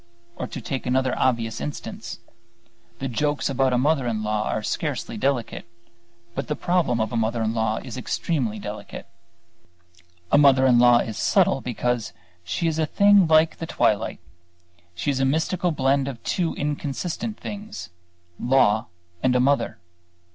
Or to take another obvious instance: the jokes about a mother in law are scarcely delicate, but the problem of a mother in law is extremely delicate. A mother in law is subtle because she is a thing like the twilight. She is a mystical blend of two inconsistent things law and a mother.